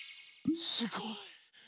すごい。